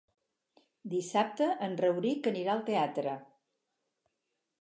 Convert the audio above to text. Dissabte en Rauric anirà al teatre.